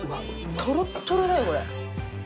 とろっとろだよこれ。